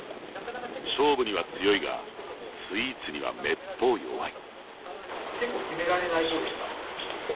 勝負には強いが、スイーツにはめっぽう弱い。